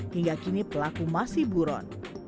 hingga kini pelaku masih buron